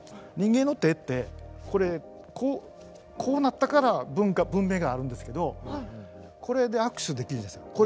人間の手ってこれこうなったから文化文明があるんですけどこれで握手できるじゃないですか。